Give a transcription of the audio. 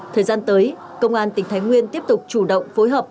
thời gian tới công an tỉnh thái nguyên tiếp tục chủ động phối hợp